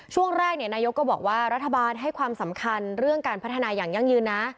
ช่วงแรกนายกก็บอกว่ารัฐบาลให้ความสำคัญเรื่องการพัฒนาอย่างยั่งยืนนะ